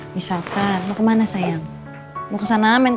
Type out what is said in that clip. misalkan mau kemana sayang